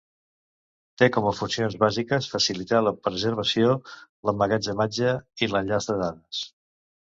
Té com a funcions bàsiques facilitar la preservació, l’emmagatzematge i l’enllaç de dades.